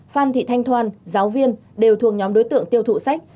phan thị thanh thoan giáo viên đều thuộc nhóm đối tượng tiêu thụ sách